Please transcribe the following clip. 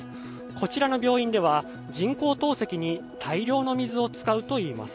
こちらの病院では人工透析に大量の水を使うといいます。